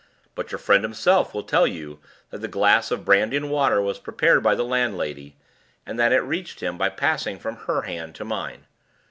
But your friend himself will tell you that the glass of brandy and water was prepared by the landlady, and that it reached him by passing from her hand to mine.